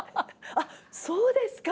あっそうですか。